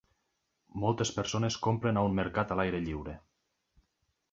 Moltes persones compren a un mercat a l'aire lliure.